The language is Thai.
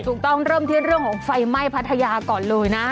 เริ่มที่เรื่องของไฟไหม้พัทยาก่อนเลยนะ